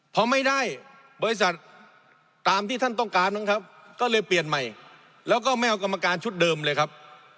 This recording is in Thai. พอไม่ได้บริษัทตามที่ท่านต้องการมั้งครับก็เลยเปลี่ยนใหม่แล้วก็ไม่เอากรรมการชุดเดิมเลยครับ